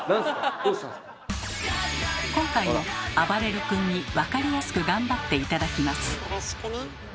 今回もあばれる君にわかりやすく頑張って頂きます。